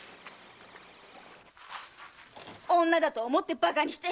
女だと思って馬鹿にして。